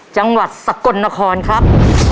จังหวัดสกลนครครับ